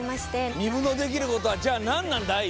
丹生のできることはじゃあ、なんなんだい、今。